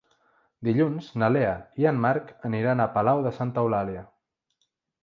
Dilluns na Lea i en Marc aniran a Palau de Santa Eulàlia.